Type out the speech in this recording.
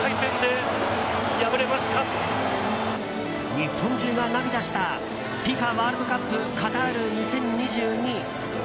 日本中が涙したＦＩＦＡワールドカップカタール２０２２。